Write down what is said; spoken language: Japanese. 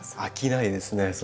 飽きないですね